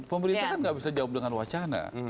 pemerintah kan nggak bisa jawab dengan wacana